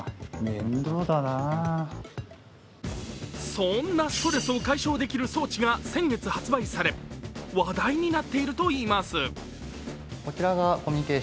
そんなストレスを解消できる装置が先月発売され話題になっているといいます。